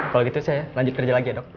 kalau gitu saya lanjut kerja lagi ya dok